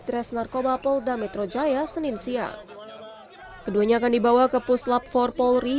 tres narkoba polda metro jaya senin siang keduanya akan dibawa ke puslap empat polri